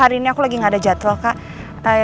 hari ini aku lagi gak ada jadwal kak